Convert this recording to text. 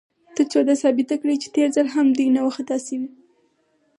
تر څو دا ثابته کړي، چې تېر ځل هم دوی نه و خطا شوي.